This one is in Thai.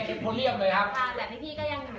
แต่พี่ก็อยู่กับเราจนกว่านี้นะคะ